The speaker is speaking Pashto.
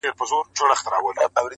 شماره هغه بس چي خوی د سړو راوړي-